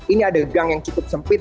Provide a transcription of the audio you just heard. ini ada gang yang cukup sempit